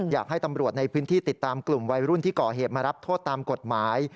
อยากให้ตำรวจในพื้นที่ติดตามกลุ่มวัยรุ่นที่ก่อเหตุมารับโทษตามกฎหมาย